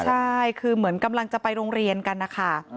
ใช่คือเหมือนกำลังจะไปโรงเรียนกันนะคะ